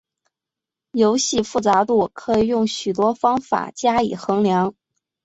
游戏复杂度可以用许多方法加以衡量。